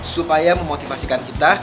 supaya memotivasikan kita